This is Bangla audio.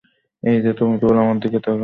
এই যে, তুমি কেবল আমার দিকে তাকাও।